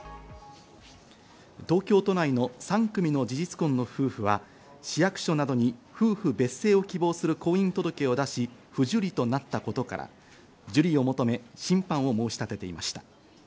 東京都内の３組の事実婚の夫婦は市役所などに夫婦別姓を希望する婚姻届を出し、不受理となったことから、受理を求め審判を申し立てていました。